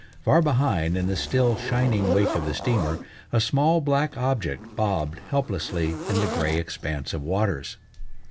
Far behind, in the still shining wake of the steamer, a small black object bobbed helplessly in the gray expanse of waters.